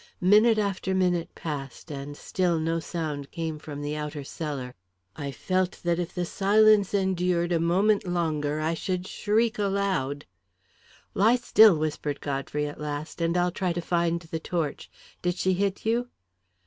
Minute after minute passed, and still no sound came from the outer cellar. I felt that if the silence endured a moment longer, I should shriek aloud. "Lie still," whispered Godfrey, at last, "and I'll try to find the torch. Did she hit you?"